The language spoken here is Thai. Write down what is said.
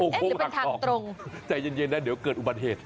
โอ้โค้งหักศอกหักศอกตรงใจเย็นเย็นได้เดี๋ยวเกิดอุบัติเหตุ